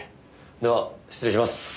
では失礼します。